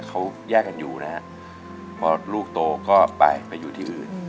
เขาแยกกันอยู่นะฮะพอลูกโตก็ไปไปอยู่ที่อื่น